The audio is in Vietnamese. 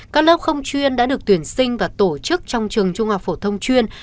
các lớp không chuyên đã được tuyển sinh và tổ chức trong trường trung học phổ thông chuyên